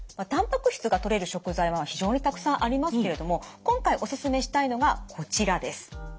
たんぱく質がとれる食材は非常にたくさんありますけれども今回おすすめしたいのがこちらです。